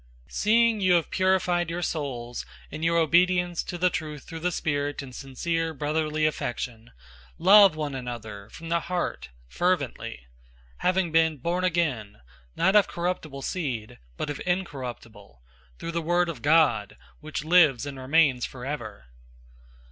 001:022 Seeing you have purified your souls in your obedience to the truth through the Spirit in sincere brotherly affection, love one another from the heart fervently: 001:023 having been born again, not of corruptible seed, but of incorruptible, through the word of God, which lives and remains forever.